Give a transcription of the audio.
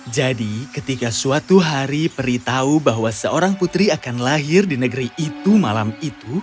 ketika suatu hari peri tahu bahwa seorang putri akan lahir di negeri itu malam itu